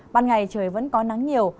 ban ngày trời vẫn có nắng nhiều